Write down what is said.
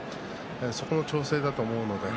そこの調整だと思います。